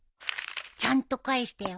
ちゃんと返してよ。